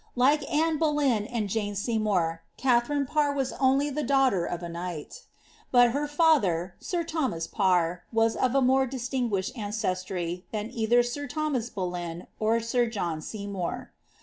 Like .Anne Boleyn and W 10 KATHARINE PARR. Jane Seymour, Katharine Parr was only the daughter of a knight ; bot her father, sir Thomas Parr, was of a more distinguished ancestry than either sir Thomas Boleyn or sir John Seymour.